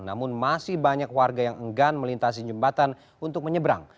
namun masih banyak warga yang enggan melintasi jembatan untuk menyeberang